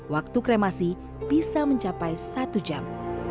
waktu kremasi bisa mencapai satu jam